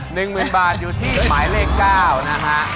๑หมื่นบาทอยู่ที่หมายเลข๙นะฮะ